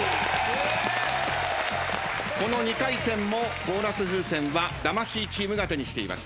この２回戦もボーナス風船は魂チームが手にしています。